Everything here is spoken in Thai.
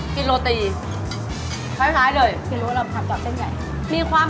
ขอบคุณครับ